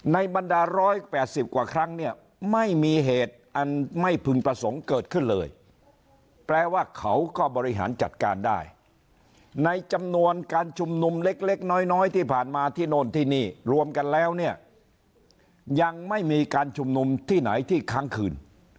บรรดา๑๘๐กว่าครั้งเนี่ยไม่มีเหตุอันไม่พึงประสงค์เกิดขึ้นเลยแปลว่าเขาก็บริหารจัดการได้ในจำนวนการชุมนุมเล็กน้อยที่ผ่านมาที่โน่นที่นี่รวมกันแล้วเนี่ยยังไม่มีการชุมนุมที่ไหนที่ค้างคืน